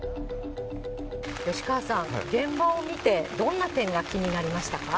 吉川さん、現場を見て、どんな点が気になりましたか。